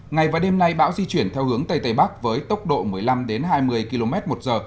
ngày và đêm nay bão di chuyển theo hướng tây tây bắc với tốc độ một mươi năm hai mươi km một giờ